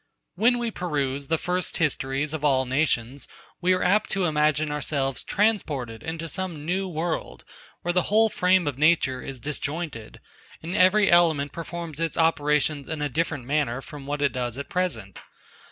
When we peruse the first histories of all nations, we are apt to imagine ourselves transported into some new world; where the whole frame of nature is disjointed, and every element performs its operations in a different manner, from what it does at present.